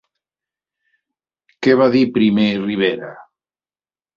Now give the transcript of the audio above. Què va dir primer Rivera?